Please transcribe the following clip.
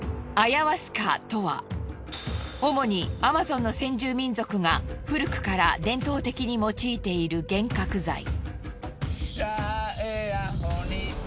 アヤワスカとは主にアマゾンの先住民族が古くから伝統的に用いている幻覚剤。